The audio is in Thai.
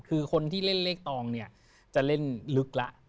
คือคนที่เล่นเลขตองเนี่ยจะเล่นลึกแล้ว